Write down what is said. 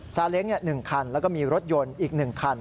เล้ง๑คันแล้วก็มีรถยนต์อีก๑คัน